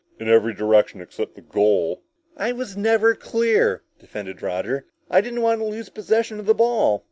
"In every direction except the goal!" "I was never clear," defended Roger. "I didn't want to lose possession of the ball!"